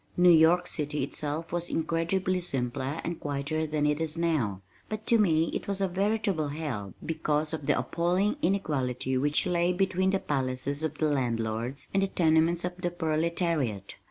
New York City itself was incredibly simpler and quieter than it is now, but to me it was a veritable hell because of the appalling inequality which lay between the palaces of the landlords and the tenements of the proletariat.